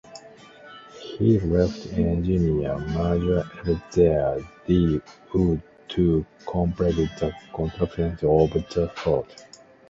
He left Engineer Major Eleazer D. Wood to complete the construction of the fort.